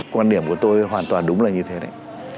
quan điểm của tôi hoàn toàn đúng là như thế đấy